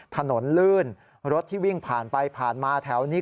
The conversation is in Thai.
ถนนลื่นรถที่วิ่งผ่านไปผ่านมาแถวนี้